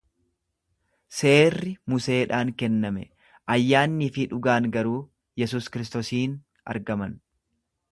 Seerri Museedhaan kenname, ayyaannii fi dhugaan garuu Yesus Kristosiin argaman.